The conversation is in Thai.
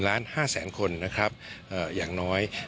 ๑๕ล้านคนนะครับอย่างน้อย